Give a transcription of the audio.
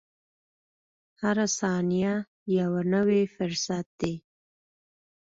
• هره ثانیه یو نوی فرصت دی.